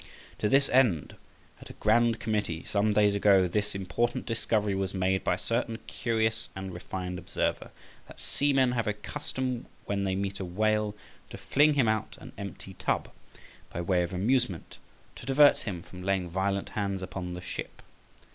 To this end, at a grand committee, some days ago, this important discovery was made by a certain curious and refined observer, that seamen have a custom when they meet a Whale to fling him out an empty Tub, by way of amusement, to divert him from laying violent hands upon the Ship.